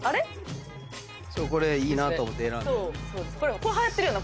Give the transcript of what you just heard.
これいいなと思って選んでん。